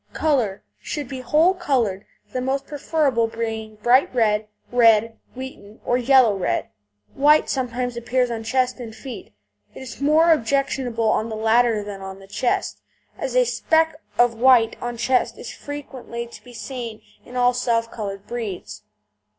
COLOUR Should be "whole coloured," the most preferable being bright red, red, wheaten, or yellow red. White sometimes appears on chest and feet; it is more objectionable on the latter than on the chest, as a speck of white on chest is frequently to be seen in all self coloured breeds.